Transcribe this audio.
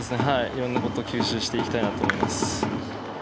色んなことを吸収していきたいなと思います。